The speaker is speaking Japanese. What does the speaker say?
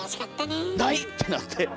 「ない！」ってなって。